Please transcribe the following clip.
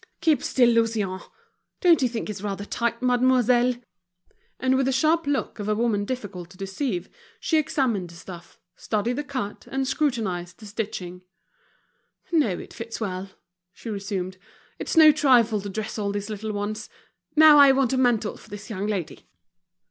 "Keep still, Lucien! Don't you think it's rather tight, mademoiselle?" And with the sharp look of a woman difficult to deceive, she examined the stuff, studied the cut, and scrutinized the stitching. "No, it fits well," she resumed. "It's no trifle to dress all these little ones. Now I want a mantle for this young lady."